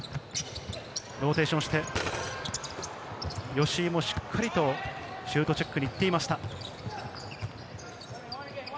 ローテーションして、吉井もしっかりとシュートチェックに行っていました。